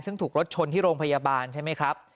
ซึ่งถูกรถชนที่โรงพยาบาลใช่ไหมครับ